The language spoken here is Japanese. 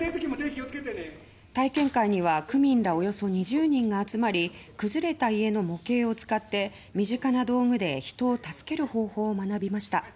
体験会には区民らおよそ２０人が集まり崩れた家の模型を使って身近な道具で人を助ける方法を学びました。